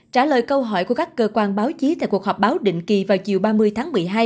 trả lời câu hỏi của các cơ quan báo chí tại cuộc họp báo định kỳ vào chiều ba mươi tháng một mươi hai